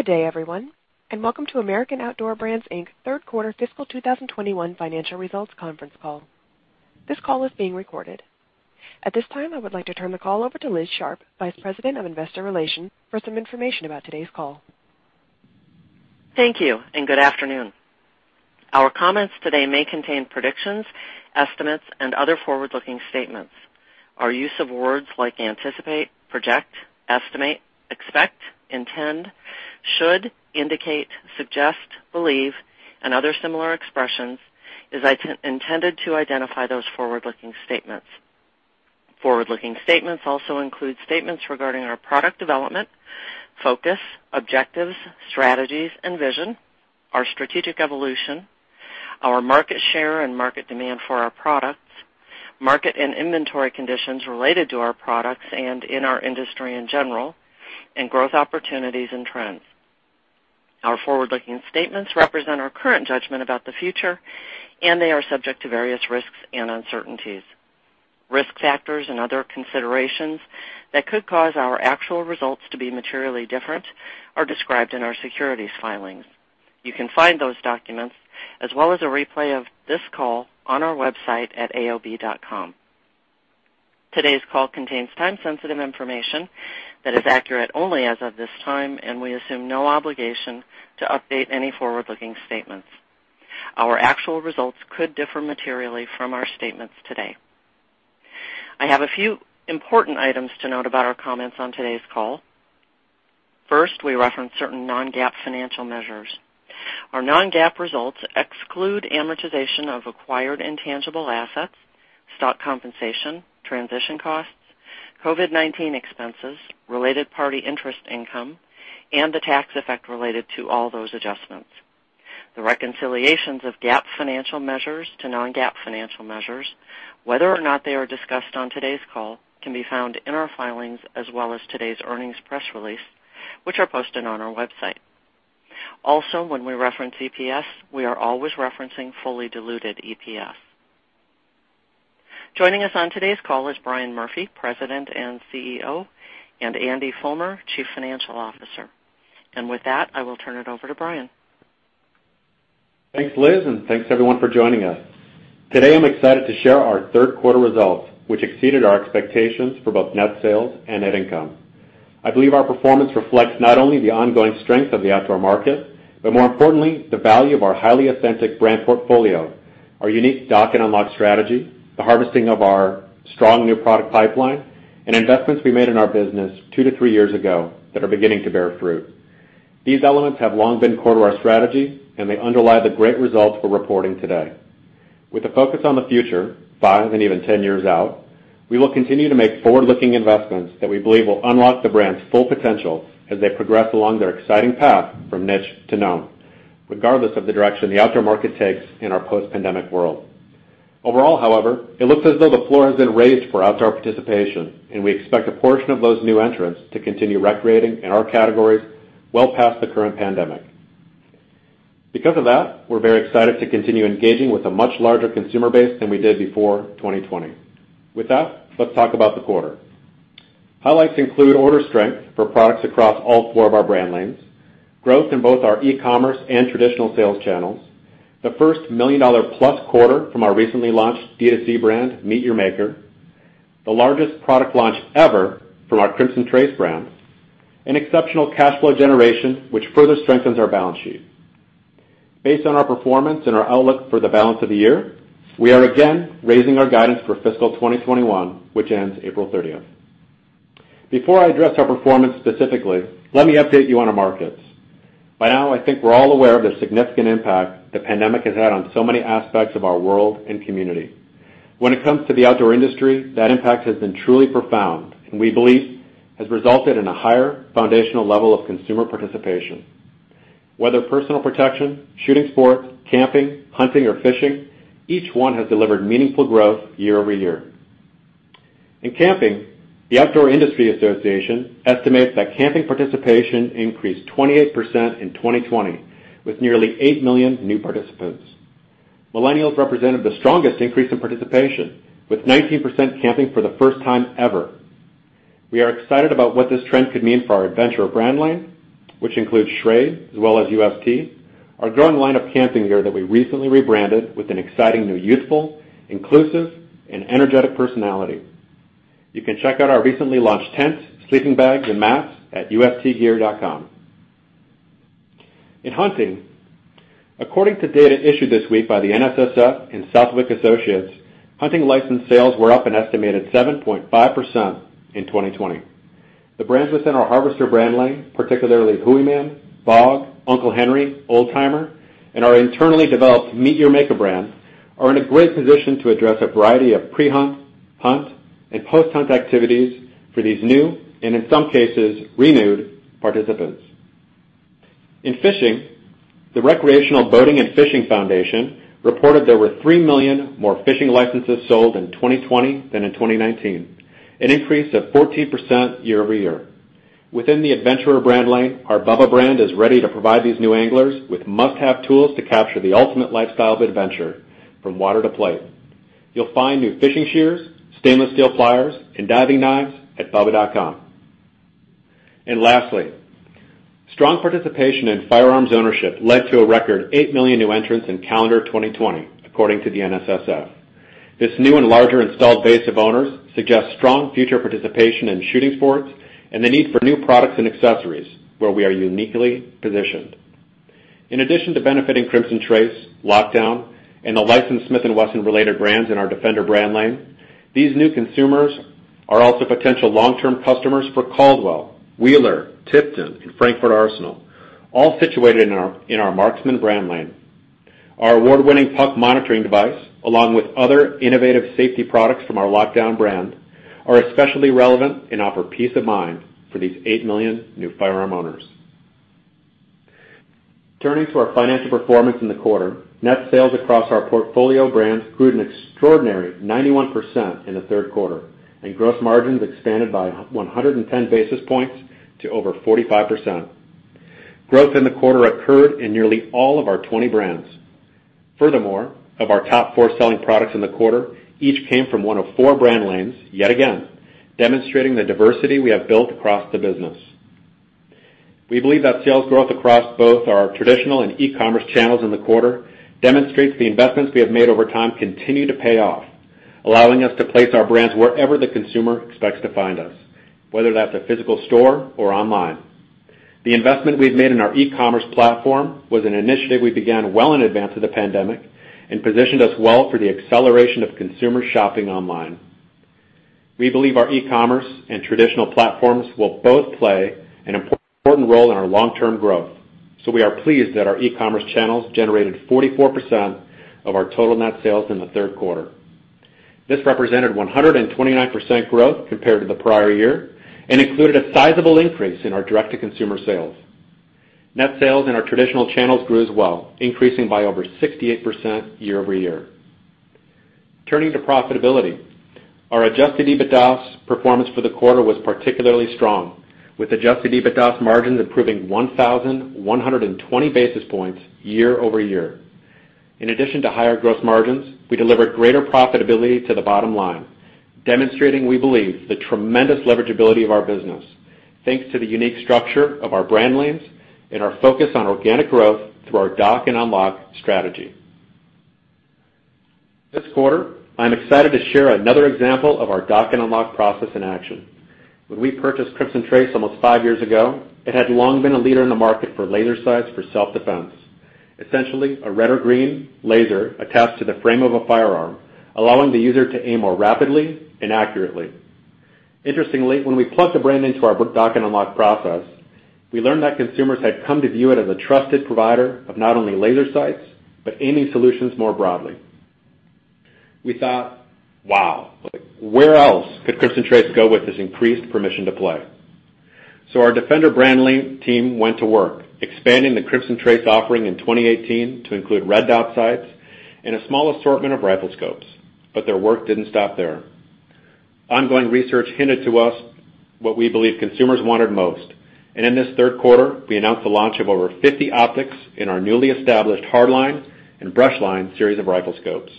Good day, everyone, and welcome to American Outdoor Brands, Inc. third quarter fiscal 2021 financial results conference call. This call is being recorded. At this time, I would like to turn the call over to Liz Sharp, Vice President of Investor Relations, for some information about today's call. Thank you, and good afternoon. Our comments today may contain predictions, estimates, and other forward-looking statements. Our use of words like anticipate, project, estimate, expect, intend, should, indicate, suggest, believe, and other similar expressions is intended to identify those forward-looking statements. Forward-looking statements also include statements regarding our product development, focus, objectives, strategies, and vision, our strategic evolution, our market share and market demand for our products, market and inventory conditions related to our products and in our industry in general, and growth opportunities and trends. Our forward-looking statements represent our current judgment about the future, and they are subject to various risks and uncertainties. Risk factors and other considerations that could cause our actual results to be materially different are described in our securities filings. You can find those documents, as well as a replay of this call on our website at aob.com. Today's call contains time-sensitive information that is accurate only as of this time, and we assume no obligation to update any forward-looking statements. Our actual results could differ materially from our statements today. I have a few important items to note about our comments on today's call. First, we reference certain non-GAAP financial measures. Our non-GAAP results exclude amortization of acquired intangible assets, stock compensation, transition costs, COVID-19 expenses, related party interest income, and the tax effect related to all those adjustments. The reconciliations of GAAP financial measures to non-GAAP financial measures, whether or not they are discussed on today's call, can be found in our filings as well as today's earnings press release, which are posted on our website. Also, when we reference EPS, we are always referencing fully diluted EPS. Joining us on today's call is Brian Murphy, President and CEO, and Andy Fulmer, Chief Financial Officer. With that, I will turn it over to Brian. Thanks, Liz. Thanks, everyone, for joining us. Today, I'm excited to share our third quarter results, which exceeded our expectations for both net sales and net income. I believe our performance reflects not only the ongoing strength of the outdoor market, but more importantly, the value of our highly authentic brand portfolio, our unique Dock and Unlock strategy, the harvesting of our strong new product pipeline, and investments we made in our business two to three years ago that are beginning to bear fruit. These elements have long been core to our strategy, and they underlie the great results we're reporting today. With a focus on the future, five and even 10 years out, we will continue to make forward-looking investments that we believe will unlock the brands' full potential as they progress along their exciting path from niche to known, regardless of the direction the outdoor market takes in our post-pandemic world. Overall, however, it looks as though the floor has been raised for outdoor participation, and we expect a portion of those new entrants to continue recreating in our categories well past the current pandemic. Because of that, we're very excited to continue engaging with a much larger consumer base than we did before 2020. With that, let's talk about the quarter. Highlights include order strength for products across all four of our brand lanes, growth in both our e-commerce and traditional sales channels, the first million-dollar plus quarter from our recently launched D2C brand, MEAT! Your Maker, the largest product launch ever from our Crimson Trace brand, and exceptional cash flow generation, which further strengthens our balance sheet. Based on our performance and our outlook for the balance of the year, we are again raising our guidance for fiscal 2021, which ends April 30th. Before I address our performance specifically, let me update you on our markets. By now, I think we're all aware of the significant impact the pandemic has had on so many aspects of our world and community. When it comes to the outdoor industry, that impact has been truly profound, and we believe has resulted in a higher foundational level of consumer participation. Whether personal protection, shooting sports, camping, hunting, or fishing, each one has delivered meaningful growth year-over-year. In camping, the Outdoor Industry Association estimates that camping participation increased 28% in 2020, with nearly 8 million new participants. Millennials represented the strongest increase in participation, with 19% camping for the first time ever. We are excited about what this trend could mean for our Adventurer brand lane, which includes Schrade as well as ust, our growing line of camping gear that we recently rebranded with an exciting new youthful, inclusive, and energetic personality. You can check out our recently launched tents, sleeping bags, and mats at ustgear.com. In hunting, according to data issued this week by the NSSF and Southwick Associates, hunting license sales were up an estimated 7.5% in 2020. The brands within our Harvester brand lane, particularly Hooyman, BOG, Uncle Henry, Old Timer, and our internally developed MEAT! Your Maker brand, are in a great position to address a variety of pre-hunt, hunt, and post-hunt activities for these new, and in some cases, renewed participants. In fishing, the Recreational Boating and Fishing Foundation reported there were 3 million more fishing licenses sold in 2020 than in 2019, an increase of 14% year-over-year. Within the Adventurer brand lane, our BUBBA brand is ready to provide these new anglers with must-have tools to capture the ultimate lifestyle of adventure from water to plate. You'll find new fishing shears, stainless steel pliers, and diving knives at bubba.com. Lastly, strong participation in firearms ownership led to a record 8 million new entrants in calendar 2020, according to the NSSF. This new and larger installed base of owners suggests strong future participation in shooting sports and the need for new products and accessories, where we are uniquely positioned. In addition to benefiting Crimson Trace, Lockdown, and the licensed Smith & Wesson related brands in our Defender brand lane, these new consumers are also potential long-term customers for Caldwell, Wheeler, Tipton, and Frankford Arsenal, all situated in our Marksman brand lane. Our award-winning Puck monitoring device, along with other innovative safety products from our Lockdown brand, are especially relevant and offer peace of mind for these 8 million new firearm owners. Turning to our financial performance in the quarter, net sales across our portfolio brands grew an extraordinary 91% in the third quarter, and gross margins expanded by 110 basis points to over 45%. Growth in the quarter occurred in nearly all of our 20 brands. Of our top four selling products in the quarter, each came from one of four brand lanes, yet again, demonstrating the diversity we have built across the business. We believe that sales growth across both our traditional and e-commerce channels in the quarter demonstrates the investments we have made over time continue to pay off, allowing us to place our brands wherever the consumer expects to find us, whether that's a physical store or online. The investment we've made in our e-commerce platform was an initiative we began well in advance of the pandemic and positioned us well for the acceleration of consumer shopping online. We believe our e-commerce and traditional platforms will both play an important role in our long-term growth, so we are pleased that our e-commerce channels generated 44% of our total net sales in the third quarter. This represented 129% growth compared to the prior year and included a sizable increase in our direct-to-consumer sales. Net sales in our traditional channels grew as well, increasing by over 68% year-over-year. Turning to profitability, our adjusted EBITDAS performance for the quarter was particularly strong, with adjusted EBITDAS margins improving 1,120 basis points year-over-year. In addition to higher gross margins, we delivered greater profitability to the bottom line, demonstrating, we believe, the tremendous leverageability of our business, thanks to the unique structure of our brand lanes and our focus on organic growth through our Dock and Unlock strategy. This quarter, I'm excited to share another example of our Dock and Unlock process in action. When we purchased Crimson Trace almost five years ago, it had long been a leader in the market for laser sights for self-defense. Essentially, a red or green laser attached to the frame of a firearm, allowing the user to aim more rapidly and accurately. Interestingly, when we plugged the brand into our Dock and Unlock process, we learned that consumers had come to view it as a trusted provider of not only laser sights, but aiming solutions more broadly. We thought, wow, where else could Crimson Trace go with this increased permission to play? Our Defender brand lane team went to work, expanding the Crimson Trace offering in 2018 to include red dot sights and a small assortment of rifle scopes. Their work didn't stop there. Ongoing research hinted to us what we believe consumers wanted most, and in this third quarter, we announced the launch of over 50 optics in our newly established Hardline and Brushline series of rifle scopes.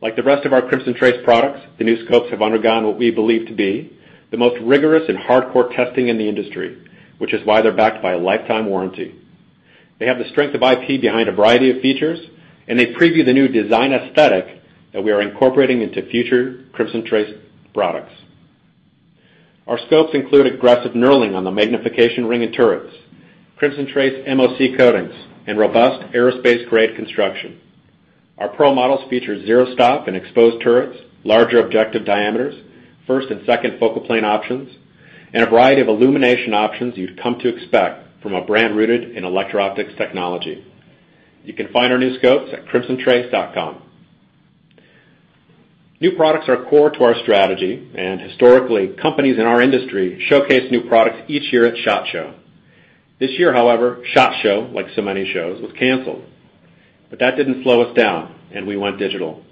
Like the rest of our Crimson Trace products, the new scopes have undergone what we believe to be the most rigorous and hardcore testing in the industry, which is why they're backed by a lifetime warranty. They have the strength of IP behind a variety of features, and they preview the new design aesthetic that we are incorporating into future Crimson Trace products. Our scopes include aggressive knurling on the magnification ring and turrets, Crimson Trace MOC coatings, and robust aerospace-grade construction. Our Pro models feature zero stop and exposed turrets, larger objective diameters, first and second focal plane options, and a variety of illumination options you've come to expect from a brand rooted in electro-optics technology. You can find our new scopes at crimsontrace.com. New products are core to our strategy, and historically, companies in our industry showcase new products each year at SHOT Show. This year, however, SHOT Show, like so many shows, was canceled. That didn't slow us down, and we went digital.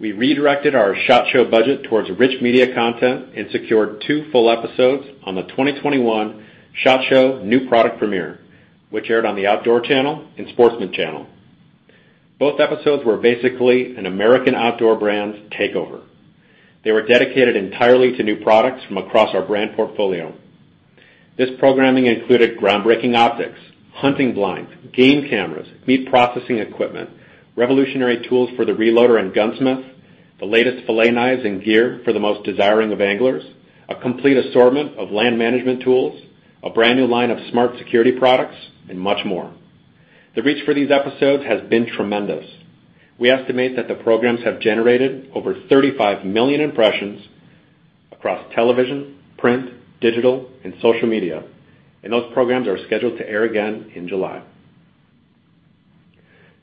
We redirected our SHOT Show budget towards rich media content and secured two full episodes on the 2021 SHOT Show New Product Premiere, which aired on the Outdoor Channel and Sportsman Channel. Both episodes were basically an American Outdoor Brands takeover. They were dedicated entirely to new products from across our brand portfolio. This programming included groundbreaking optics, hunting blinds, game cameras, meat processing equipment, revolutionary tools for the reloader and gunsmith, the latest filet knives and gear for the most discerning of anglers, a complete assortment of land management tools, a brand new line of smart security products, and much more. The reach for these episodes has been tremendous. We estimate that the programs have generated over 35 million impressions across television, print, digital, and social media, and those programs are scheduled to air again in July.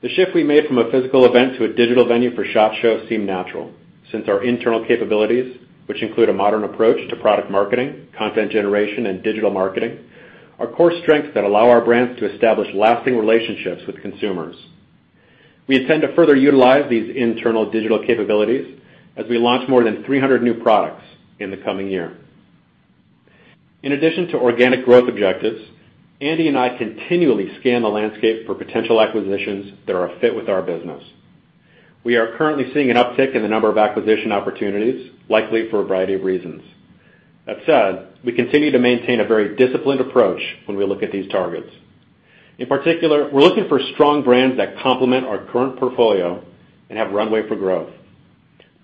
The shift we made from a physical event to a digital venue for SHOT Show seemed natural, since our internal capabilities, which include a modern approach to product marketing, content generation, and digital marketing, are core strengths that allow our brands to establish lasting relationships with consumers. We intend to further utilize these internal digital capabilities as we launch more than 300 new products in the coming year. In addition to organic growth objectives, Andy and I continually scan the landscape for potential acquisitions that are a fit with our business. We are currently seeing an uptick in the number of acquisition opportunities, likely for a variety of reasons. That said, we continue to maintain a very disciplined approach when we look at these targets. In particular, we're looking for strong brands that complement our current portfolio and have runway for growth.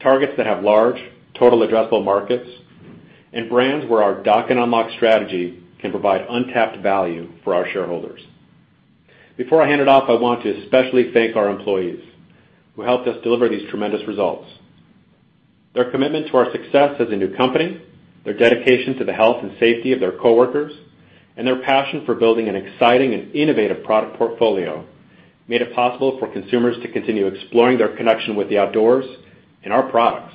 Targets that have large total addressable markets, and brands where our Dock and Unlock strategy can provide untapped value for our shareholders. Before I hand it off, I want to especially thank our employees who helped us deliver these tremendous results. Their commitment to our success as a new company, their dedication to the health and safety of their coworkers, and their passion for building an exciting and innovative product portfolio, made it possible for consumers to continue exploring their connection with the outdoors and our products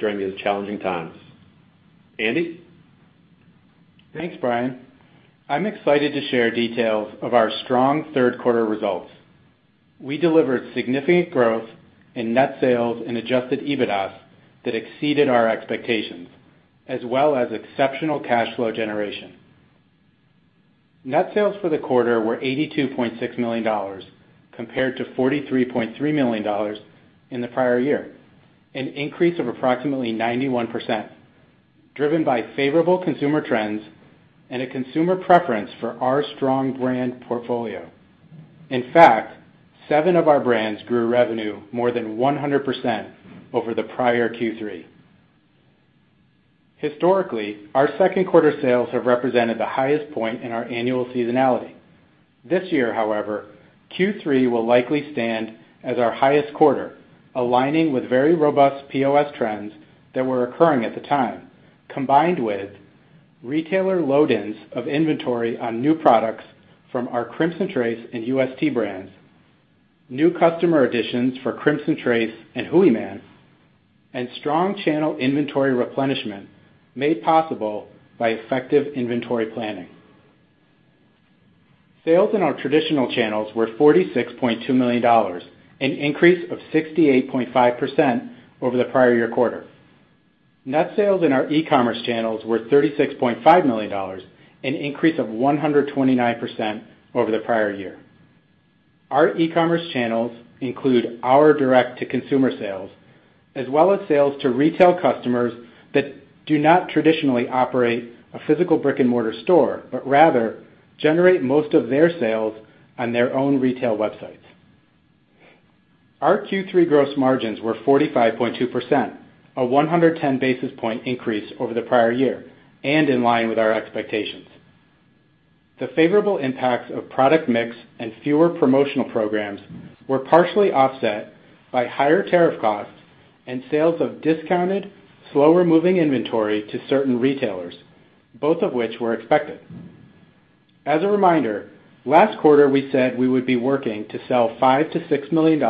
during these challenging times. Andy? Thanks, Brian. I'm excited to share details of our strong third quarter results. We delivered significant growth in net sales and adjusted EBITDAS that exceeded our expectations, as well as exceptional cash flow generation. Net sales for the quarter were $82.6 million compared to $43.3 million in the prior year, an increase of approximately 91%, driven by favorable consumer trends and a consumer preference for our strong brand portfolio. In fact, seven of our brands grew revenue more than 100% over the prior Q3. Historically, our second quarter sales have represented the highest point in our annual seasonality. This year, however, Q3 will likely stand as our highest quarter, aligning with very robust POS trends that were occurring at the time, combined with retailer load-ins of inventory on new products from our Crimson Trace and UST brands, new customer additions for Crimson Trace and Hooyman, and strong channel inventory replenishment made possible by effective inventory planning. Sales in our traditional channels were $46.2 million, an increase of 68.5% over the prior year quarter. Net sales in our e-commerce channels were $36.5 million, an increase of 129% over the prior year. Our e-commerce channels include our direct-to-consumer sales, as well as sales to retail customers that do not traditionally operate a physical brick and mortar store, but rather generate most of their sales on their own retail websites. Our Q3 gross margins were 45.2%, a 110 basis point increase over the prior year, in line with our expectations. The favorable impacts of product mix and fewer promotional programs were partially offset by higher tariff costs and sales of discounted, slower moving inventory to certain retailers, both of which were expected. As a reminder, last quarter we said we would be working to sell $5 million-$6 million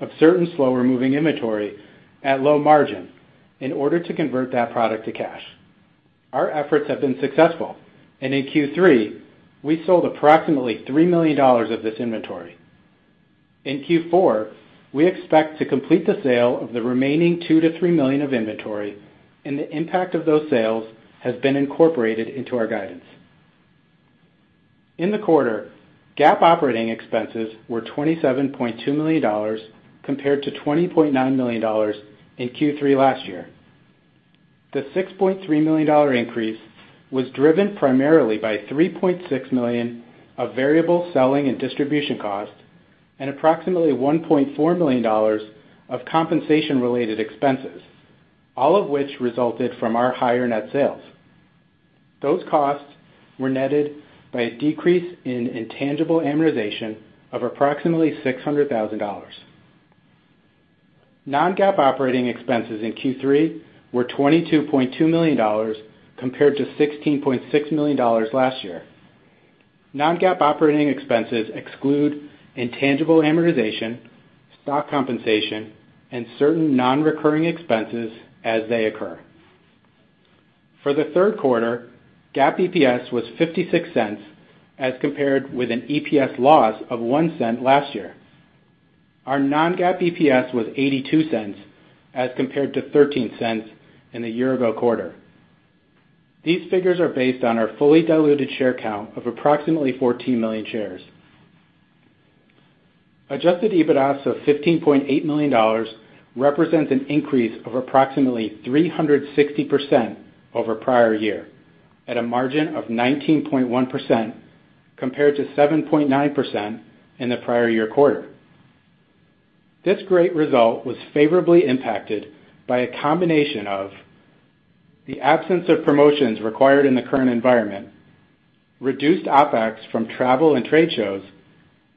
of certain slower moving inventory at low margin in order to convert that product to cash. Our efforts have been successful, in Q3, we sold approximately $3 million of this inventory. In Q4, we expect to complete the sale of the remaining $2 million-$3 million of inventory, the impact of those sales has been incorporated into our guidance. In the quarter, GAAP operating expenses were $27.2 million compared to $20.9 million in Q3 last year. The $6.3 million increase was driven primarily by $3.6 million of variable selling and distribution costs, and approximately $1.4 million of compensation-related expenses, all of which resulted from our higher net sales. Those costs were netted by a decrease in intangible amortization of approximately $600,000. Non-GAAP operating expenses in Q3 were $22.2 million compared to $16.6 million last year. Non-GAAP operating expenses exclude intangible amortization, stock compensation, and certain non-recurring expenses as they occur. For the third quarter, GAAP EPS was $0.56 as compared with an EPS loss of $0.01 last year. Our non-GAAP EPS was $0.82 as compared to $0.13 in the year-ago quarter. These figures are based on our fully diluted share count of approximately 14 million shares. Adjusted EBITDAS of $15.8 million represents an increase of approximately 360% over prior year, at a margin of 19.1% compared to 7.9% in the prior year quarter. This great result was favorably impacted by a combination of the absence of promotions required in the current environment, reduced OpEx from travel and trade shows,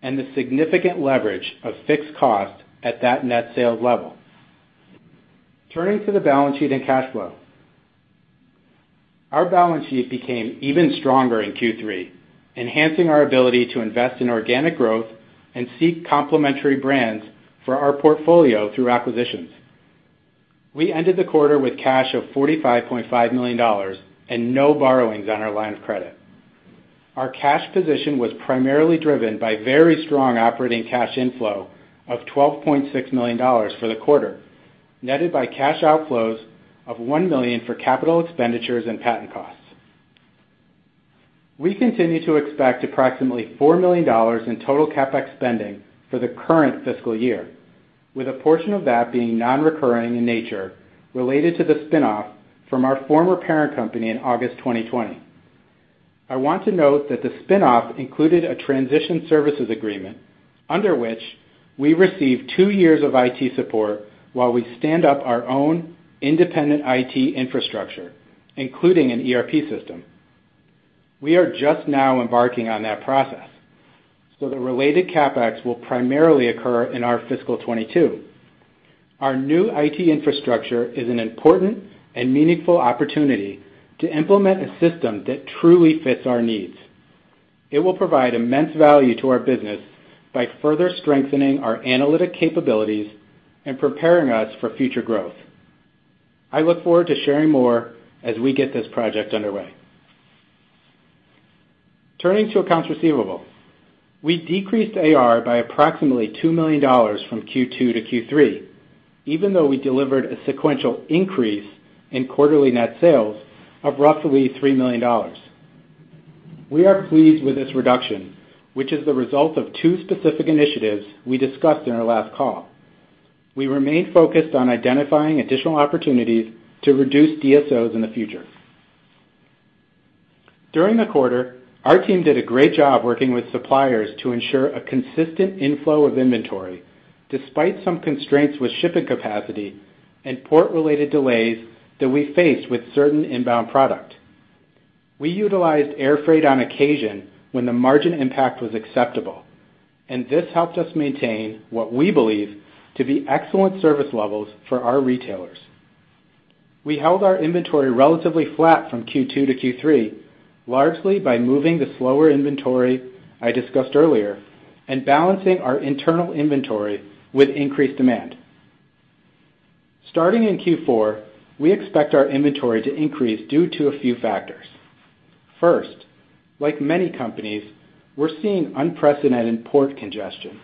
and the significant leverage of fixed costs at that net sales level. Turning to the balance sheet and cash flow. Our balance sheet became even stronger in Q3, enhancing our ability to invest in organic growth and seek complementary brands for our portfolio through acquisitions. We ended the quarter with cash of $45.5 million and no borrowings on our line of credit. Our cash position was primarily driven by very strong operating cash inflow of $12.6 million for the quarter, netted by cash outflows of $1 million for capital expenditures and patent costs. We continue to expect approximately $4 million in total CapEx spending for the current fiscal year, with a portion of that being non-recurring in nature related to the spin-off from our former parent company in August 2020. I want to note that the spin-off included a transition services agreement under which we receive two years of IT support while we stand up our own independent IT infrastructure, including an ERP system. We are just now embarking on that process, so the related CapEx will primarily occur in our fiscal 2022. Our new IT infrastructure is an important and meaningful opportunity to implement a system that truly fits our needs. It will provide immense value to our business by further strengthening our analytic capabilities and preparing us for future growth. I look forward to sharing more as we get this project underway. Turning to accounts receivable. We decreased AR by approximately $2 million from Q2-Q3, even though we delivered a sequential increase in quarterly net sales of roughly $3 million. We are pleased with this reduction, which is the result of two specific initiatives we discussed in our last call. We remain focused on identifying additional opportunities to reduce DSOs in the future. During the quarter, our team did a great job working with suppliers to ensure a consistent inflow of inventory, despite some constraints with shipping capacity and port-related delays that we faced with certain inbound product. We utilized air freight on occasion when the margin impact was acceptable. This helped us maintain what we believe to be excellent service levels for our retailers. We held our inventory relatively flat from Q2-Q3, largely by moving the slower inventory I discussed earlier and balancing our internal inventory with increased demand. Starting in Q4, we expect our inventory to increase due to a few factors. First, like many companies, we're seeing unprecedented port congestion.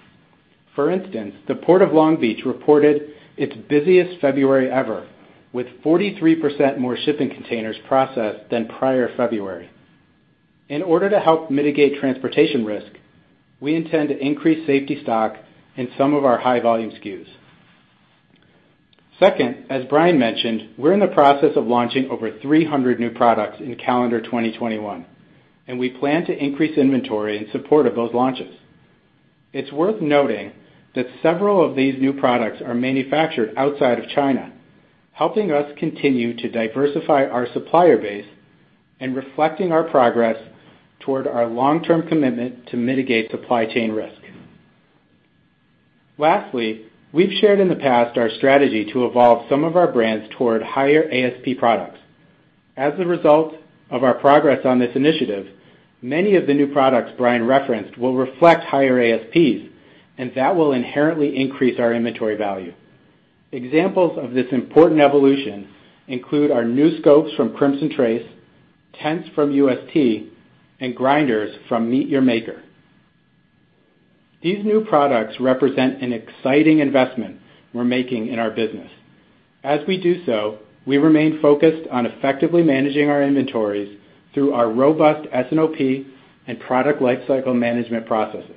For instance, the Port of Long Beach reported its busiest February ever, with 43% more shipping containers processed than prior February. In order to help mitigate transportation risk, we intend to increase safety stock in some of our high-volume SKUs. Second, as Brian mentioned, we're in the process of launching over 300 new products in calendar 2021, and we plan to increase inventory in support of those launches. It's worth noting that several of these new products are manufactured outside of China, helping us continue to diversify our supplier base and reflecting our progress toward our long-term commitment to mitigate supply chain risk. Lastly, we've shared in the past our strategy to evolve some of our brands toward higher ASP products. As a result of our progress on this initiative, many of the new products Brian referenced will reflect higher ASPs, and that will inherently increase our inventory value. Examples of this important evolution include our new scopes from Crimson Trace, tents from UST, and grinders from MEAT! Your Maker. These new products represent an exciting investment we're making in our business. As we do so, we remain focused on effectively managing our inventories through our robust S&OP and product lifecycle management processes.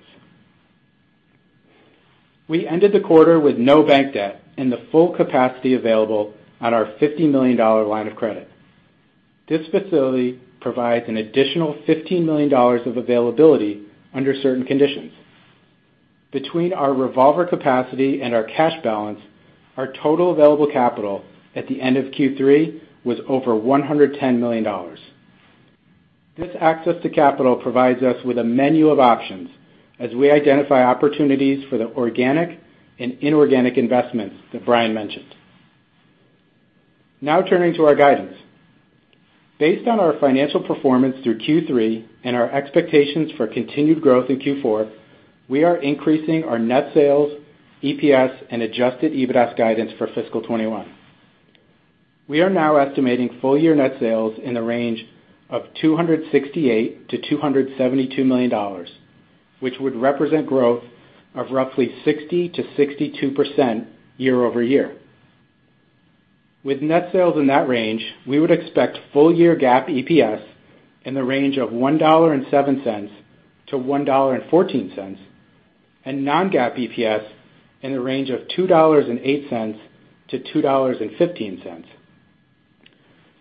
We ended the quarter with no bank debt and the full capacity available on our $50 million line of credit. This facility provides an additional $15 million of availability under certain conditions. Between our revolver capacity and our cash balance, our total available capital at the end of Q3 was over $110 million. This access to capital provides us with a menu of options as we identify opportunities for the organic and inorganic investments that Brian mentioned. Now turning to our guidance. Based on our financial performance through Q3 and our expectations for continued growth in Q4, we are increasing our net sales, EPS, and adjusted EBITDAS guidance for fiscal 2021. We are now estimating full-year net sales in the range of $268 million-$272 million, which would represent growth of roughly 60%-62% year-over-year. With net sales in that range, we would expect full-year GAAP EPS in the range of $1.07-$1.14, and non-GAAP EPS in the range of $2.08-$2.15.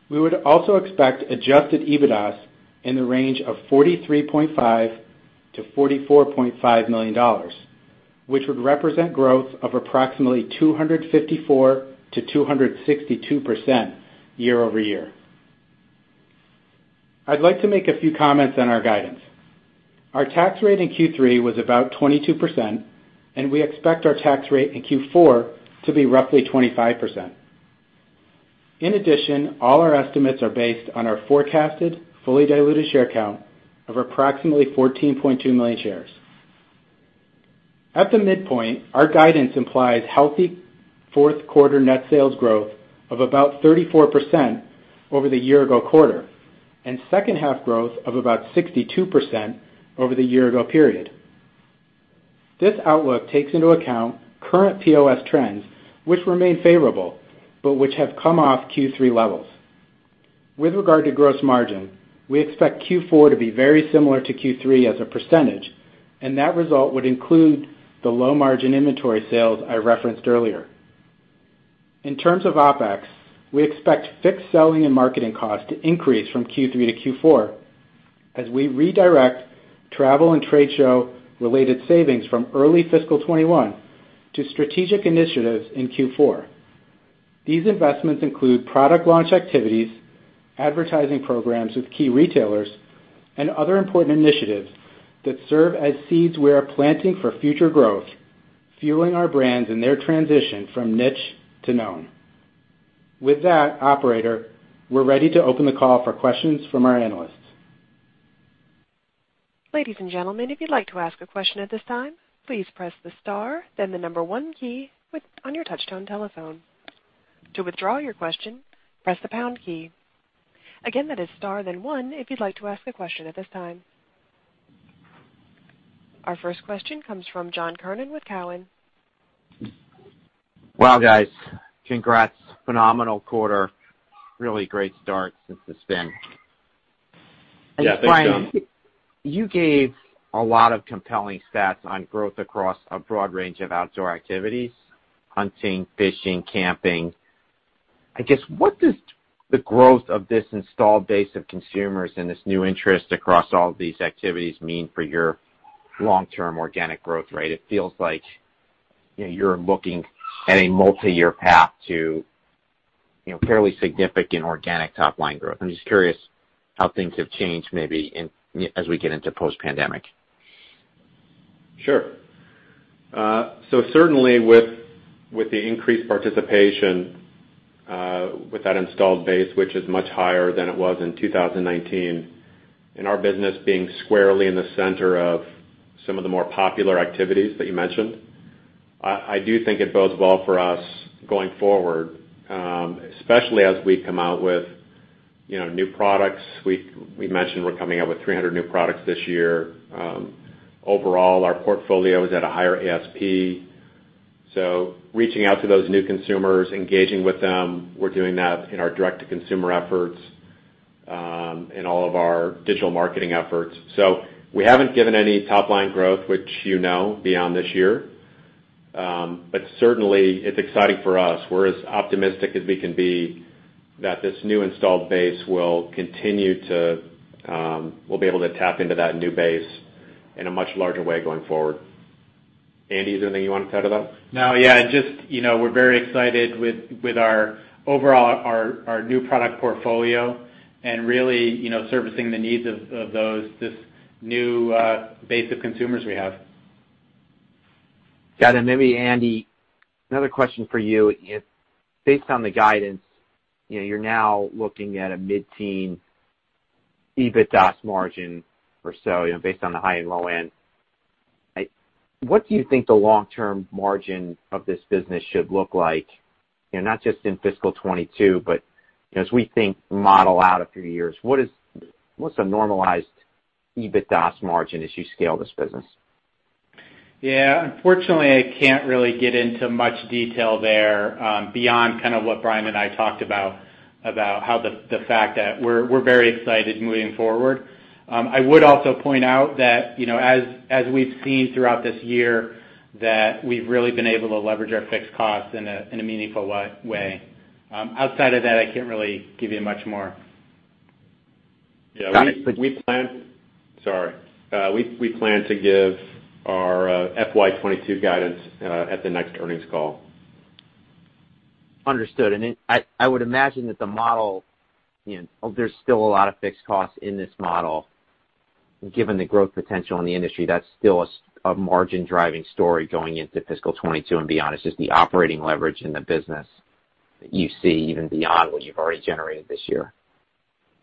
We would also expect adjusted EBITDAS in the range of $43.5 million-$44.5 million, which would represent growth of approximately 254%-262% year-over-year. I'd like to make a few comments on our guidance. Our tax rate in Q3 was about 22%, and we expect our tax rate in Q4 to be roughly 25%. In addition, all our estimates are based on our forecasted fully diluted share count of approximately 14.2 million shares. At the midpoint, our guidance implies healthy fourth quarter net sales growth of about 34% over the year ago quarter, and second half growth of about 62% over the year ago period. This outlook takes into account current POS trends, which remain favorable, but which have come off Q3 levels. With regard to gross margin, we expect Q4 to be very similar to Q3 as a percentage, and that result would include the low margin inventory sales I referenced earlier. In terms of OpEx, we expect fixed selling and marketing costs to increase from Q3-Q4 as we redirect travel and trade show related savings from early fiscal 2021 to strategic initiatives in Q4. These investments include product launch activities, advertising programs with key retailers, and other important initiatives that serve as seeds we are planting for future growth, fueling our brands and their transition from niche to known. With that, operator, we are ready to open the call for questions from our analysts. Our first question comes from John Kernan with Cowen. Wow, guys. Congrats. Phenomenal quarter. Really great start since the spin. Yeah. Thanks, John. Brian, you gave a lot of compelling stats on growth across a broad range of outdoor activities, hunting, fishing, camping. I guess, what does the growth of this installed base of consumers and this new interest across all these activities mean for your long-term organic growth rate? It feels like you're looking at a multi-year path to fairly significant organic top-line growth. I'm just curious how things have changed maybe as we get into post-pandemic. Certainly, with the increased participation with that installed base, which is much higher than it was in 2019, and our business being squarely in the center of some of the more popular activities that you mentioned, I do think it bodes well for us going forward, especially as we come out with new products. We mentioned we're coming out with 300 new products this year. Overall, our portfolio is at a higher ASP. Reaching out to those new consumers, engaging with them, we're doing that in our D2C efforts, in all of our digital marketing efforts. We haven't given any top-line growth, which you know, beyond this year. Certainly, it's exciting for us. We'll be able to tap into that new base in a much larger way going forward. Andy, is there anything you want to add to that? No. Yeah. Just we're very excited with our new product portfolio and really servicing the needs of this new base of consumers we have. Got it. Maybe Andy, another question for you. Based on the guidance, you're now looking at a mid-teen EBITDA margin or so, based on the high and low end. What do you think the long-term margin of this business should look like? Not just in fiscal 2022, but as we model out a few years, what's a normalized EBITDA margin as you scale this business? Unfortunately, I can't really get into much detail there, beyond what Brian and I talked about, the fact that we're very excited moving forward. I would also point out that as we've seen throughout this year, that we've really been able to leverage our fixed costs in a meaningful way. Outside of that, I can't really give you much more. Yeah. Got it. Sorry. We plan to give our FY 2022 guidance at the next earnings call. Understood. I would imagine that the model, there's still a lot of fixed costs in this model, given the growth potential in the industry, that's still a margin driving story going into fiscal 2022 and beyond. It's just the operating leverage in the business that you see even beyond what you've already generated this year.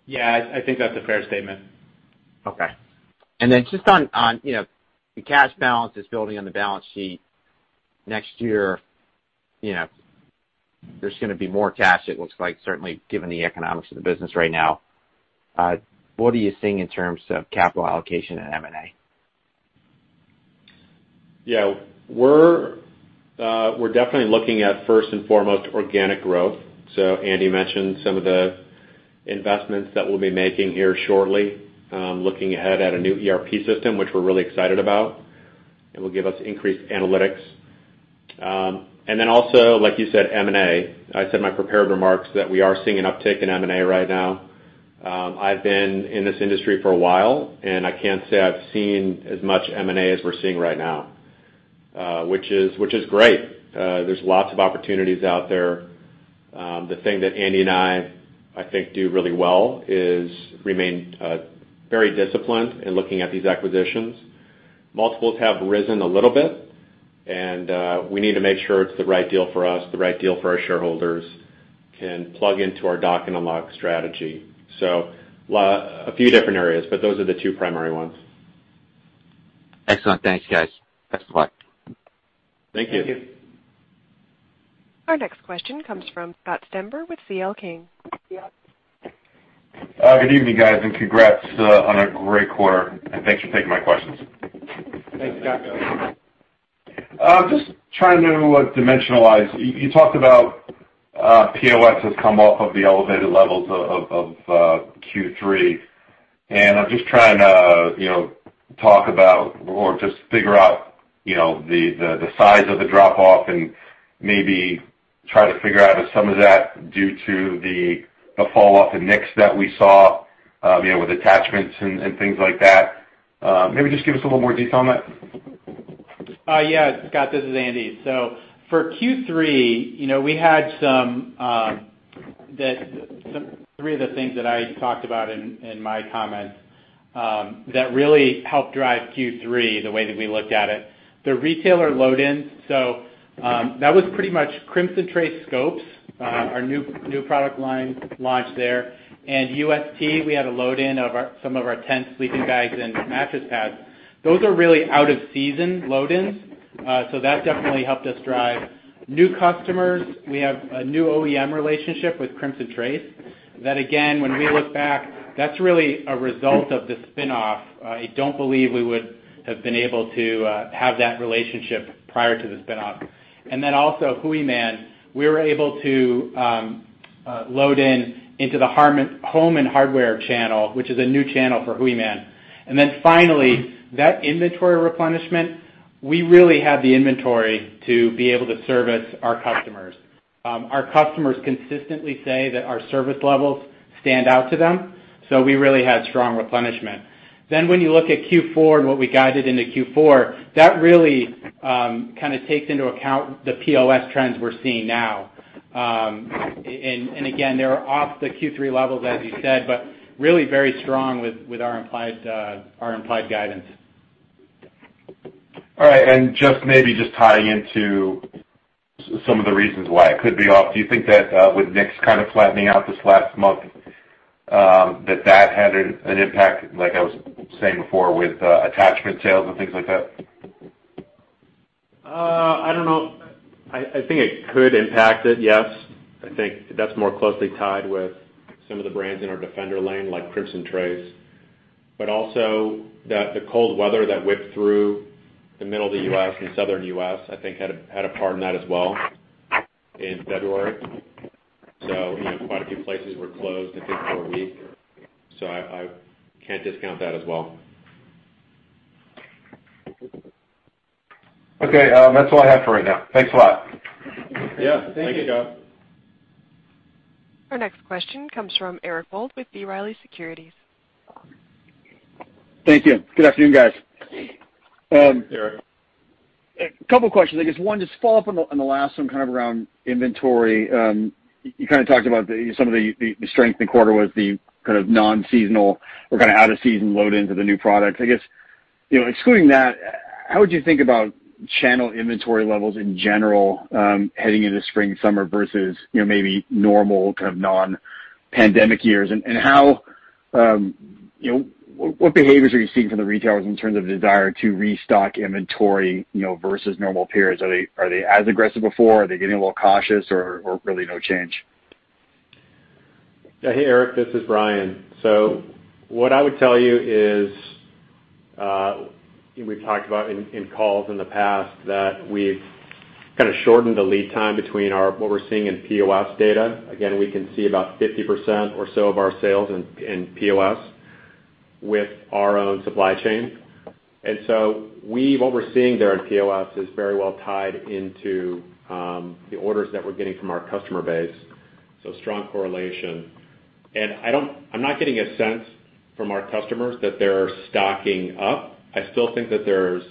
Yeah. I think that's a fair statement. Okay. Just on the cash balance that's building on the balance sheet. Next year, there's going to be more cash, it looks like, certainly given the economics of the business right now. What are you seeing in terms of capital allocation and M&A? We're definitely looking at first and foremost organic growth. Andy mentioned some of the investments that we'll be making here shortly. Looking ahead at a new ERP system, which we're really excited about. It will give us increased analytics. Also, like you said, M&A. I said in my prepared remarks that we are seeing an uptick in M&A right now. I've been in this industry for a while, and I can't say I've seen as much M&A as we're seeing right now, which is great. There's lots of opportunities out there. The thing that Andy and I think do really well is remain very disciplined in looking at these acquisitions. Multiples have risen a little bit, and we need to make sure it's the right deal for us, the right deal for our shareholders can plug into our Dock and Unlock strategy. A few different areas, but those are the two primary ones. Excellent. Thanks, guys. Thanks a lot. Thank you. Thank you. Our next question comes from Scott Stember with C.L. King. Good evening, guys, and congrats on a great quarter, and thanks for taking my questions. Thanks, Scott. I'm just trying to dimensionalize. You talked about, POS has come off of the elevated levels of Q3, and I'm just trying to talk about or just figure out the size of the drop off and maybe try to figure out if some of that is due to the falloff in NICS that we saw, with attachments and things like that. Maybe just give us a little more detail on that. Scott, this is Andy. For Q3, we had three of the things that I talked about in my comments that really helped drive Q3, the way that we looked at it. The retailer load-in, that was pretty much Crimson Trace scopes, our new product line launch there, and ust, we had a load-in of some of our tents, sleeping bags, and mattress pads. Those are really out-of-season load-ins, that definitely helped us drive new customers. We have a new OEM relationship with Crimson Trace that, again, when we look back, that's really a result of the spinoff. I don't believe we would have been able to have that relationship prior to the spinoff. Hooyman, we were able to load in into the home and hardware channel, which is a new channel for Hooyman. Finally, that inventory replenishment, we really had the inventory to be able to service our customers. Our customers consistently say that our service levels stand out to them, so we really had strong replenishment. When you look at Q4 and what we guided into Q4, that really takes into account the POS trends we're seeing now. Again, they are off the Q3 levels, as you said, but really very strong with our implied guidance. All right. Just maybe just tying into some of the reasons why it could be off, do you think that with NICS kind of flattening out this last month, that had an impact, like I was saying before, with attachment sales and things like that? I don't know. I think it could impact it, yes. I think that's more closely tied with some of the brands in our Defender line, like Crimson Trace. Also the cold weather that whipped through the middle of the U.S. and southern U.S., I think had a part in that as well in February. Quite a few places were closed, I think, for a week, so I can't discount that as well. Okay. That's all I have for right now. Thanks a lot. Yeah. Thank you. Thank you, Scott. Our next question comes from Eric Wold with B. Riley Securities. Thank you. Good afternoon, guys. Hey, Eric. A couple questions. I guess one, just follow up on the last one kind of around inventory. You talked about some of the strength in quarter was the kind of non-seasonal or out-of-season load into the new products. I guess, excluding that, how would you think about channel inventory levels in general, heading into spring/summer versus maybe normal kind of non-pandemic years? What behaviors are you seeing from the retailers in terms of desire to restock inventory versus normal periods? Are they as aggressive before? Are they getting a little cautious or really no change? Hey, Eric, this is Brian. What I would tell you is, we've talked about in calls in the past that we've kind of shortened the lead time between what we're seeing in POS data. We can see about 50% or so of our sales in POS with our own supply chain. What we're seeing there in POS is very well tied into the orders that we're getting from our customer base, so strong correlation. I'm not getting a sense from our customers that they're stocking up. I still think that there's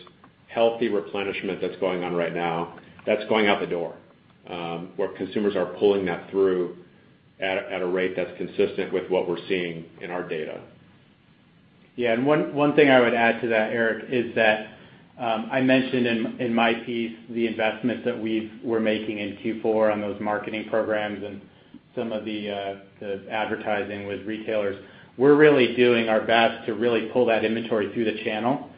healthy replenishment that's going on right now, that's going out the door, where consumers are pulling that through at a rate that's consistent with what we're seeing in our data. One thing I would add to that, Eric, is that I mentioned in my piece the investments that we were making in Q4 on those marketing programs and some of the advertising with retailers. We're really doing our best to really pull that inventory through the channel,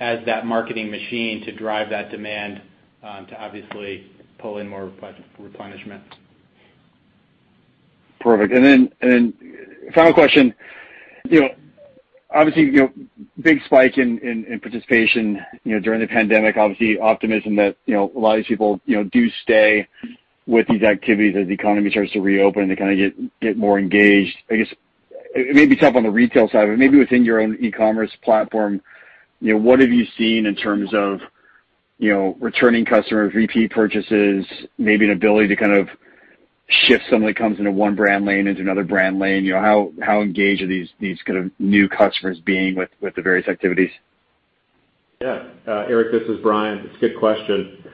as that marketing machine to drive that demand, to obviously pull in more replenishment. Perfect. Final question. Obviously, big spike in participation during the pandemic, obviously optimism that a lot of these people do stay with these activities as the economy starts to reopen, and they kind of get more engaged. I guess it may be tough on the retail side, but maybe within your own e-commerce platform, what have you seen in terms of returning customers, repeat purchases, maybe an ability to kind of shift somebody comes into one brand lane into another brand lane? How engaged are these kind of new customers being with the various activities? Yeah. Eric, this is Brian. It's a good question.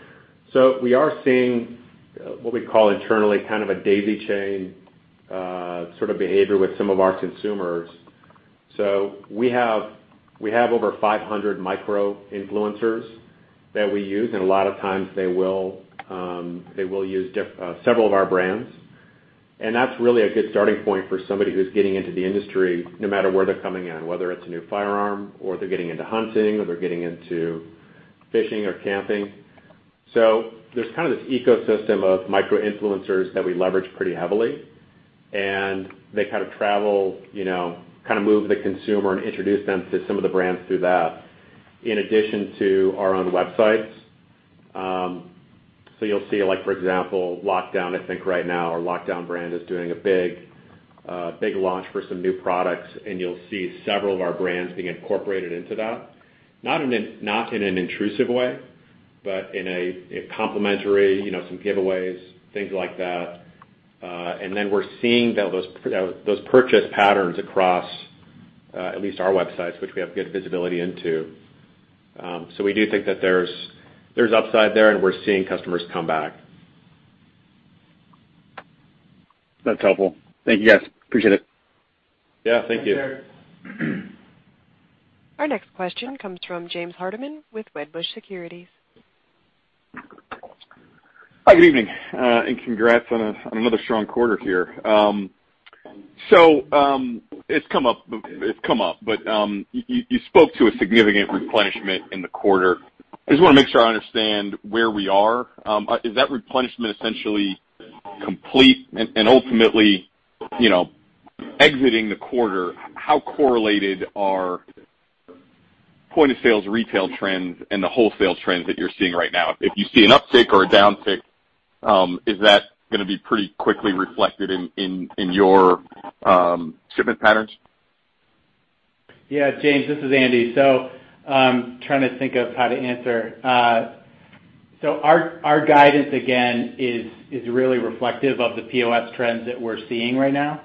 We are seeing what we call internally kind of a daisy chain sort of behavior with some of our consumers. We have over 500 micro-influencers that we use, and a lot of times they will use several of our brands. That's really a good starting point for somebody who's getting into the industry, no matter where they're coming in, whether it's a new firearm or they're getting into hunting or they're getting into fishing or camping. There's kind of this ecosystem of micro-influencers that we leverage pretty heavily, and they kind of travel, kind of move the consumer and introduce them to some of the brands through that, in addition to our own websites. You'll see, for example, Lockdown. I think right now our Lockdown brand is doing a big launch for some new products, and you'll see several of our brands being incorporated into that. Not in an intrusive way, but in a complimentary, some giveaways, things like that. We're seeing those purchase patterns across at least our websites, which we have good visibility into. We do think that there's upside there, and we're seeing customers come back. That's helpful. Thank you, guys. Appreciate it. Yeah, thank you. Our next question comes from James Hardiman with Wedbush Securities. Hi, good evening. Congrats on another strong quarter here. It's come up, you spoke to a significant replenishment in the quarter. I just want to make sure I understand where we are. Is that replenishment essentially complete and ultimately exiting the quarter, how correlated are point-of-sale retail trends and the wholesale trends that you're seeing right now? If you see an uptick or a downtick, is that going to be pretty quickly reflected in your shipment patterns? Yeah, James, this is Andy. Trying to think of how to answer. Our guidance again, is really reflective of the POS trends that we're seeing right now,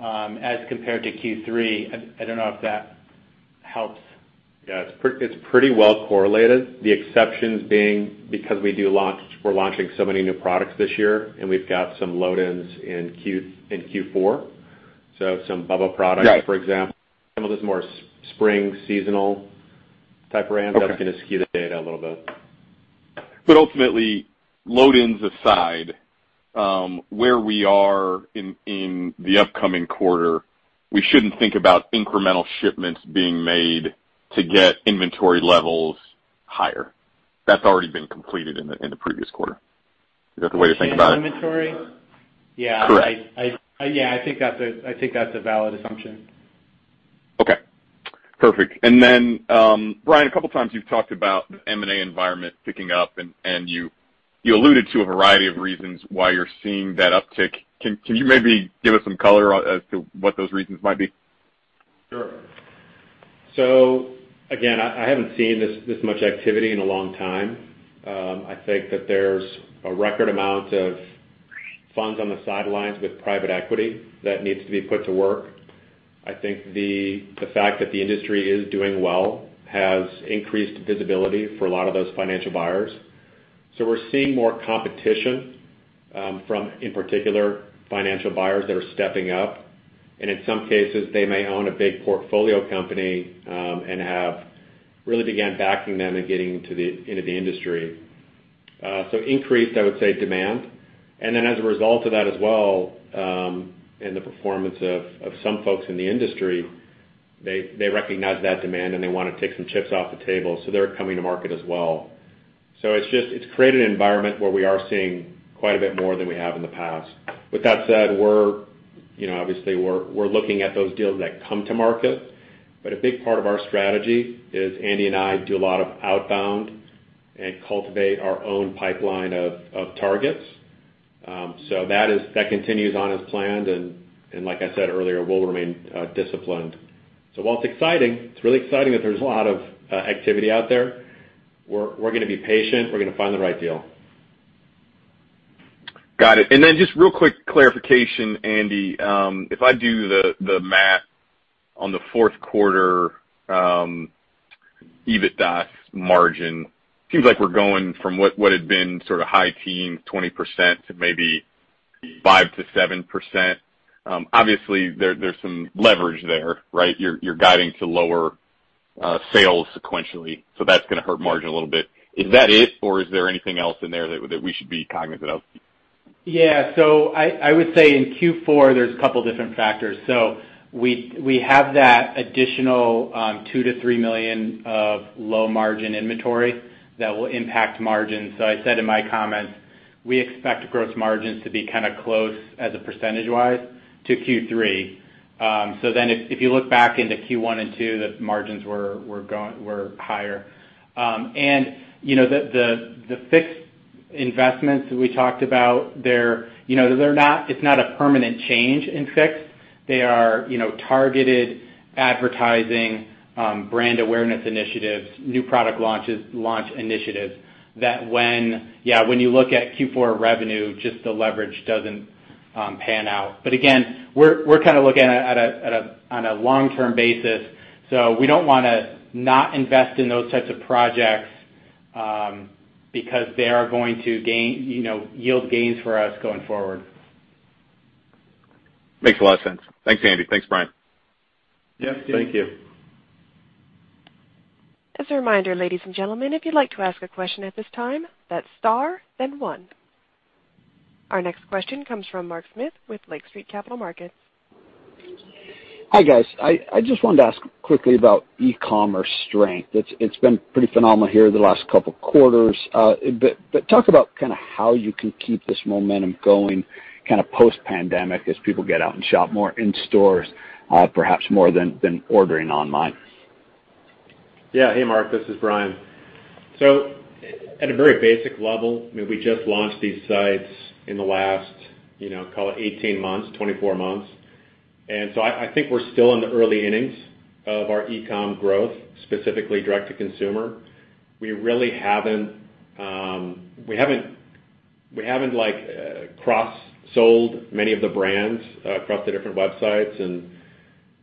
as compared to Q3. I don't know if that helps. It's pretty well correlated. The exceptions being because we're launching so many new products this year, and we've got some load-ins in Q4. Some BUBBA products for example, some of those more spring seasonal type brands that's going to skew the data a little bit. Ultimately, load-ins aside, where we are in the upcoming quarter, we shouldn't think about incremental shipments being made to get inventory levels higher. That's already been completed in the previous quarter. Is that the way to think about it? Inventory? Yeah. Correct. Yeah, I think that's a valid assumption. Okay, perfect. Brian, a couple times you've talked about the M&A environment picking up, and you alluded to a variety of reasons why you're seeing that uptick. Can you maybe give us some color as to what those reasons might be? Sure. Again, I haven't seen this much activity in a long time. I think that there's a record amount of funds on the sidelines with private equity that needs to be put to work. I think the fact that the industry is doing well has increased visibility for a lot of those financial buyers. We're seeing more competition, from, in particular, financial buyers that are stepping up. In some cases, they may own a big portfolio company, and have really began backing them and getting into the industry. Increased, I would say, demand. As a result of that as well, and the performance of some folks in the industry, they recognize that demand and they want to take some chips off the table, they're coming to market as well. It's created an environment where we are seeing quite a bit more than we have in the past. With that said, obviously we're looking at those deals that come to market. A big part of our strategy is Andy and I do a lot of outbound and cultivate our own pipeline of targets. That continues on as planned and like I said earlier, we'll remain disciplined. While it's exciting, it's really exciting that there's a lot of activity out there, we're going to be patient. We're going to find the right deal. Got it. Then just real quick clarification, Andy. If I do the math on the fourth quarter, EBITDA margin seems like we're going from what had been sort of high teens, 20% to maybe 5%-7%. Obviously, there's some leverage there, right? You're guiding to lower sales sequentially, so that's going to hurt margin a little bit. Is that it, or is there anything else in there that we should be cognizant of? Yeah. I would say in Q4, there's a couple different factors. We have that additional $2 million-$3 million of low margin inventory that will impact margins. I said in my comments, we expect gross margins to be kind of close as a percentage-wise to Q3. If you look back into Q1 and Q2, the margins were higher. The fixed investments that we talked about, it's not a permanent change in fixed. They are targeted advertising, brand awareness initiatives, new product launch initiatives that when you look at Q4 revenue, just the leverage doesn't pan out. Again, we're kind of looking on a long-term basis. We don't want to not invest in those types of projects because they are going to yield gains for us going forward. Makes a lot of sense. Thanks, Andy. Thanks, Brian. Yes, thank you. As a reminder, ladies and gentlemen, if you'd like to ask a question at this time, that's star then one. Our next question comes from Mark Smith with Lake Street Capital Markets. Hi, guys. I just wanted to ask quickly about e-commerce strength. It's been pretty phenomenal here the last couple of quarters. Talk about how you can keep this momentum going, kind of post-pandemic, as people get out and shop more in stores, perhaps more than ordering online. Hey, Mark. This is Brian. At a very basic level, we just launched these sites in the last call it 18 months, 24 months. I think we're still in the early innings of our e-com growth, specifically direct to consumer. We haven't cross-sold many of the brands across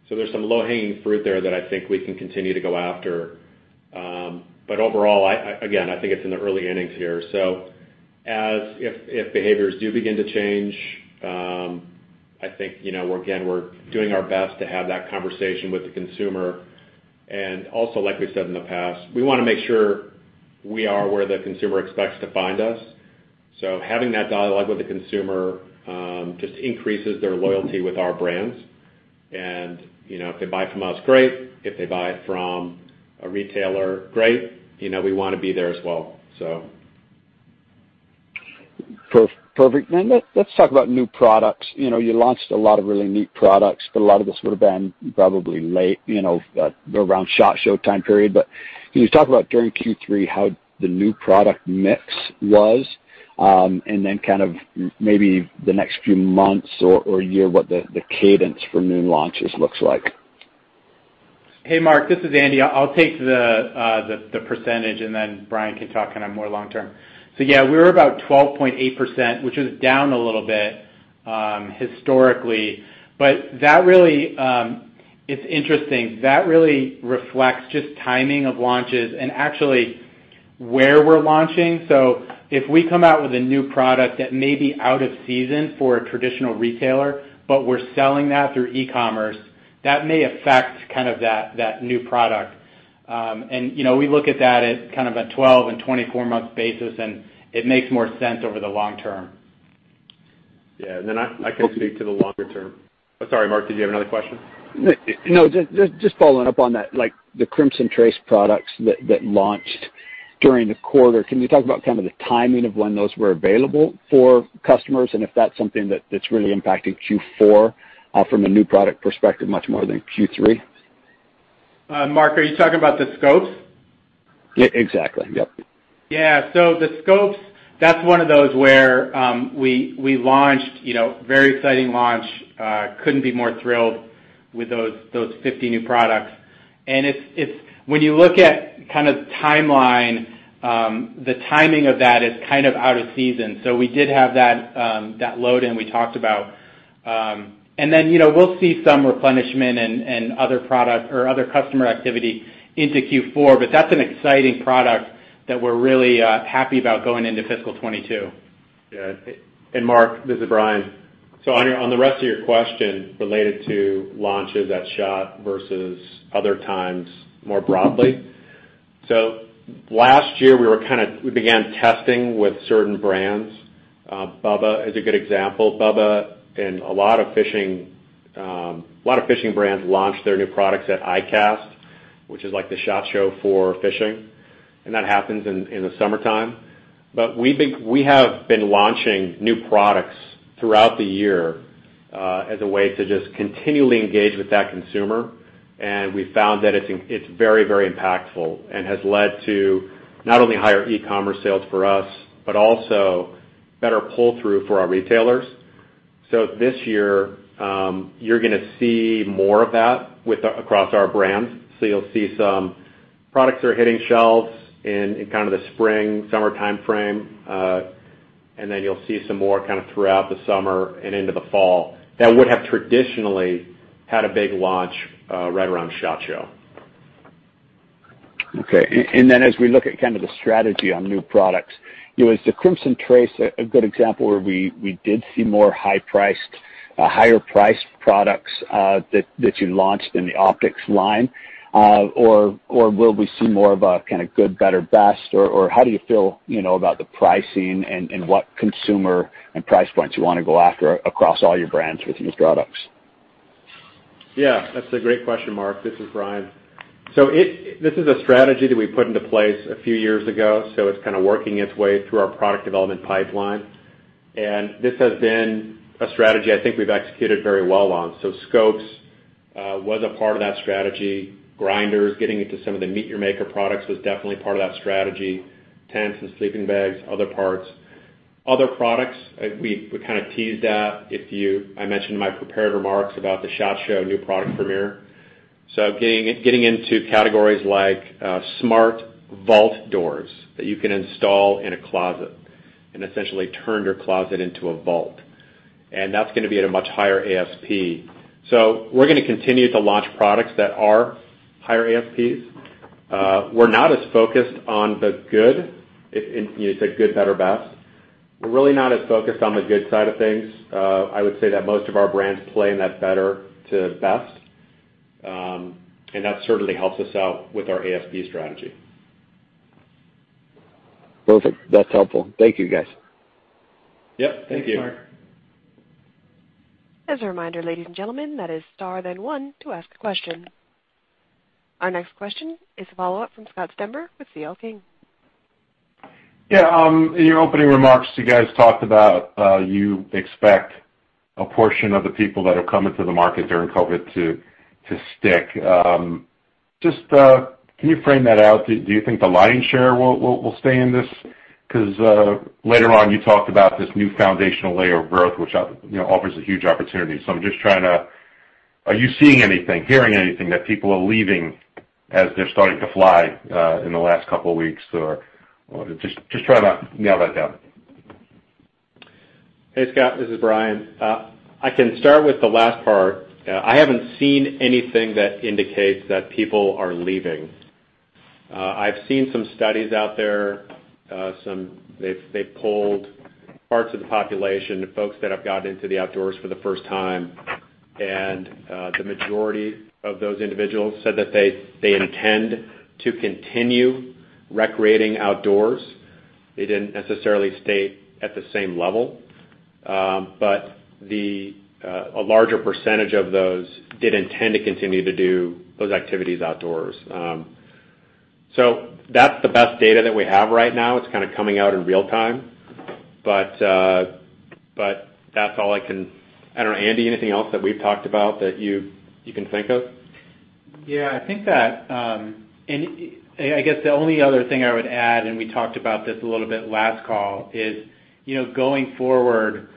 the different websites. There's some low-hanging fruit there that I think we can continue to go after. Overall, again, I think it's in the early innings here. If behaviors do begin to change, I think, again, we're doing our best to have that conversation with the consumer. Also, like we said in the past, we want to make sure we are where the consumer expects to find us. Having that dialogue with the consumer, just increases their loyalty with our brands. If they buy from us, great. If they buy from a retailer, great. We want to be there as well. Perfect. Let's talk about new products. You launched a lot of really neat products, a lot of this would have been probably late, around SHOT Show time period. Can you talk about during Q3 how the new product mix was? Then kind of maybe the next few months or year, what the cadence for new launches looks like? Hey, Mark. This is Andy. I'll take the percentage, and then Brian can talk more long term. Yeah, we were about 12.8%, which is down a little bit, historically. It's interesting. That really reflects just timing of launches and actually where we're launching. If we come out with a new product that may be out of season for a traditional retailer, but we're selling that through e-commerce, that may affect that new product. We look at that at kind of a 12 and 24-month basis, and it makes more sense over the long term. Yeah. Then I can speak to the longer term. Sorry, Mark, did you have another question? No, just following up on that, like the Crimson Trace products that launched during the quarter, can you talk about the timing of when those were available for customers and if that's something that's really impacting Q4, from a new product perspective, much more than Q3? Mark, are you talking about the scopes? Yeah, exactly. Yep. Yeah. The scopes, that's one of those where, we launched, very exciting launch, couldn't be more thrilled with those 50 new products. When you look at kind of timeline, the timing of that is kind of out of season. We did have that load-in we talked about. Then, we'll see some replenishment and other customer activity into Q4, but that's an exciting product that we're really happy about going into fiscal 2022. Mark, this is Brian. On the rest of your question related to launches at SHOT Show versus other times more broadly. Last year, we began testing with certain brands. BUBBA is a good example. BUBBA and a lot of fishing brands launched their new products at ICAST, which is like the SHOT Show for fishing, and that happens in the summertime. We have been launching new products throughout the year, as a way to just continually engage with that consumer. We've found that it's very impactful and has led to not only higher e-commerce sales for us, but also better pull-through for our retailers. This year, you're going to see more of that across our brands. You'll see some products are hitting shelves in kind of the spring, summer timeframe. You'll see some more kind of throughout the summer and into the fall that would have traditionally had a big launch right around SHOT Show. Okay. As we look at kind of the strategy on new products, was the Crimson Trace a good example where we did see more higher-priced products, that you launched in the optics line? Or will we see more of a kind of good, better, best, or how do you feel about the pricing and what consumer and price points you want to go after across all your brands with new products? Yeah. That's a great question, Mark. This is Brian. This is a strategy that we put into place a few years ago, so it's kind of working its way through our product development pipeline. This has been a strategy I think we've executed very well on. Scopes was a part of that strategy. Grinders, getting into some of the MEAT! Your Maker products was definitely part of that strategy, tents and sleeping bags, other parts. Other products, we kind of teased at, I mentioned in my prepared remarks about the SHOT Show New Product Premiere. Getting into categories like smart vault doors that you can install in a closet and essentially turn your closet into a vault. That's going to be at a much higher ASP. We're going to continue to launch products that are higher ASPs. We're not as focused on the good, it's a good, better, best. We're really not as focused on the good side of things. I would say that most of our brands play in that better to best. That certainly helps us out with our ASP strategy. Perfect. That's helpful. Thank you, guys. Yep. Thank you. Thanks, Mark. As a reminder, ladies and gentlemen, that is star, then one to ask a question. Our next question is a follow-up from Scott Stember with C.L. King. Yeah. In your opening remarks, you guys talked about you expect a portion of the people that have come into the market during COVID to stick. Just can you frame that out? Do you think the lion's share will stay in this? Later on, you talked about this new foundational layer of growth, which offers a huge opportunity. I'm just trying to. Are you seeing anything, hearing anything that people are leaving as they're starting to fly in the last couple of weeks, or just trying to nail that down? Hey, Scott. This is Brian. I can start with the last part. I haven't seen anything that indicates that people are leaving. I've seen some studies out there. They've polled parts of the population, the folks that have gotten into the outdoors for the first time, the majority of those individuals said that they intend to continue recreating outdoors. They didn't necessarily state at the same level. A larger percentage of those did intend to continue to do those activities outdoors. That's the best data that we have right now. It's kind of coming out in real-time. That's all I don't know, Andy, anything else that we've talked about that you can think of? Yeah, I think that. I guess the only other thing I would add, and we talked about this a little bit last call, is, going forward,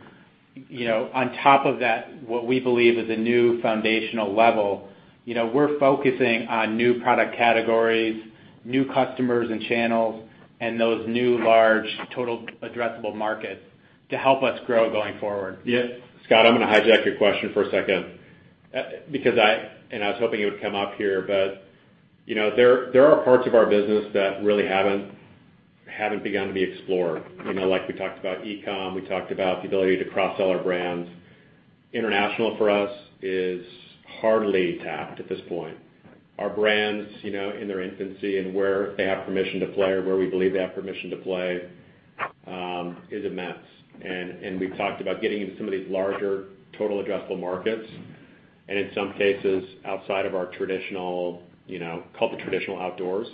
on top of that, what we believe is a new foundational level. We're focusing on new product categories, new customers and channels, and those new large total addressable markets to help us grow going forward. Yeah. Scott, I'm going to hijack your question for a second because I was hoping it would come up here, but there are parts of our business that really haven't begun to be explored. Like we talked about e-com, we talked about the ability to cross-sell our brands. International for us is hardly tapped at this point. Our brands, in their infancy and where they have permission to play or where we believe they have permission to play, is immense. We've talked about getting into some of these larger total addressable markets, and in some cases, outside of our traditional, call it traditional outdoors.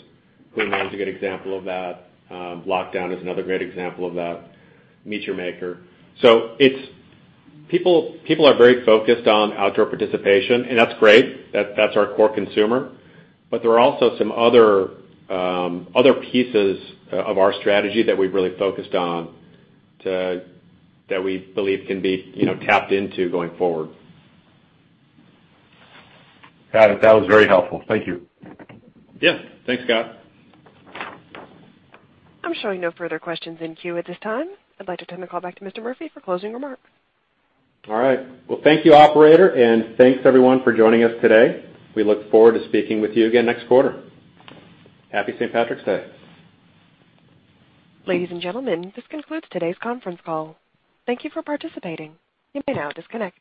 Goodnature is a good example of that. Lockdown is another great example of that, MEAT! Your Maker. People are very focused on outdoor participation, and that's great. That's our core consumer. There are also some other pieces of our strategy that we've really focused on that we believe can be tapped into going forward. Got it. That was very helpful. Thank you. Yeah. Thanks, Scott. I'm showing no further questions in queue at this time. I'd like to turn the call back to Mr. Murphy for closing remarks. All right. Well, thank you, operator, and thanks everyone for joining us today. We look forward to speaking with you again next quarter. Happy St. Patrick's Day. Ladies and gentlemen, this concludes today's conference call. Thank you for participating. You may now disconnect.